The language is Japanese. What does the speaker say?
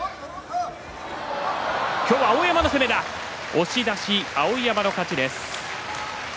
押し出し、碧山の勝ちです。